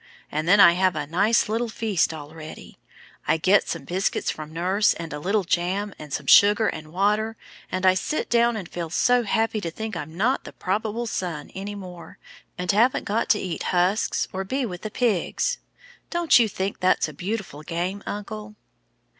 And then I have a nice little feast all ready. I get some biscuits from nurse, and a little jam, and some sugar and water, and I sit down and feel so happy to think I'm not the probable son any more, and haven't got to eat husks or be with the pigs. Don't you think that's a beautiful game, uncle?"